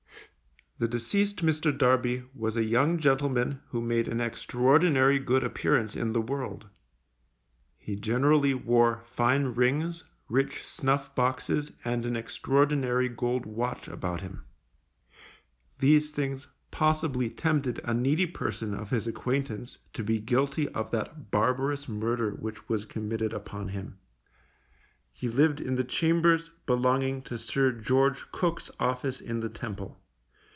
The deceased Mr. Darby was a young gentleman who made an extraordinary good appearance in the world. He generally wore fine rings, rich snuff boxes, and an extraordinary gold watch about him. These things possibly tempted a needy person of his acquaintance to be guilty of that barbarous murder which was committed upon him. He lived in the chambers belonging to Sir George Cook's office in the Temple.